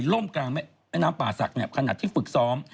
ล่มกลางแม่น้ำป่าศักดิ์ขนาดที่ฝึกซ้อม